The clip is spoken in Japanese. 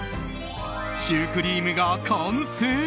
シュークリームが完成。